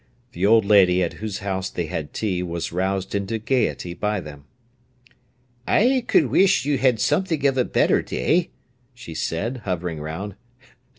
The old lady at whose house they had tea was roused into gaiety by them. "I could wish you'd had something of a better day," she said, hovering round.